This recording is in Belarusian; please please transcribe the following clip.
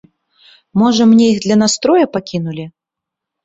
Можа, мне іх для настроя пакінулі?